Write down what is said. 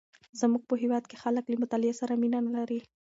زمونږ په هیواد کې خلک له مطالعې سره مینه نه لري.